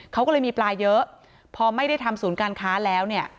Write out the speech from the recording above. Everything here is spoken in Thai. เขาก็เลยมีปลาเยอะพอไม่ได้ทำศูนย์การค้าแล้วเนี่ย